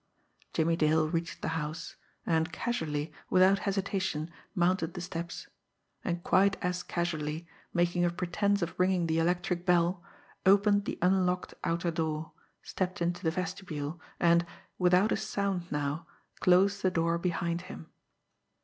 Jimmie Dale reached the house and casually, without hesitation, mounted the steps and quite as casually, making a pretence of ringing the electric bell, opened the unlocked outer door, stepped into the vestibule, and, without a sound now, closed the door behind him.